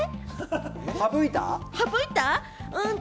省いた？